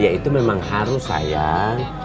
ya itu memang harus sayang